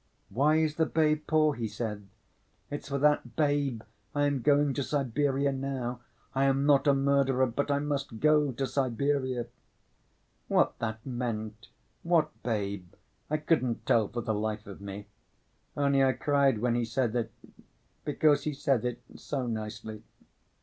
'Why is the babe poor?' he said. 'It's for that babe I am going to Siberia now. I am not a murderer, but I must go to Siberia!' What that meant, what babe, I couldn't tell for the life of me. Only I cried when he said it, because he said it so nicely.